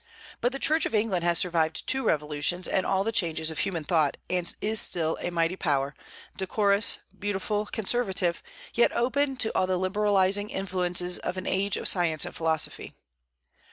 But the Church of England has survived two revolutions and all the changes of human thought, and is still a mighty power, decorous, beautiful, conservative, yet open to all the liberalizing influences of an age of science and philosophy.